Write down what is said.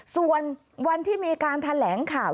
ส่วนวันที่มีการแถลงข่าว